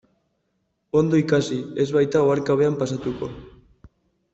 Ondo ikasi, ez baita oharkabean pasatuko.